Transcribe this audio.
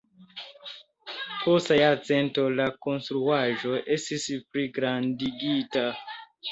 Post jarcento la konstruaĵo estis pligrandigita.